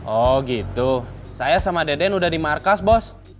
oh gitu saya sama deden udah di markas bos